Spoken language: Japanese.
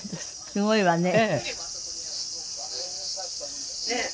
すごいわね。